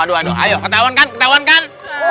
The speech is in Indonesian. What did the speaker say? aduh ayo ketahuan kan ketahuan kan